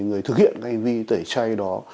người thực hiện cái hành vi tẩy chay đó